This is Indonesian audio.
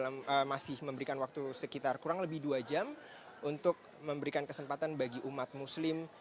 mereka masih memberikan waktu sekitar kurang lebih dua jam untuk memberikan kesempatan bagi umat muslim